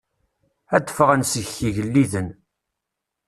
Ad d-ffɣen seg-k igelliden.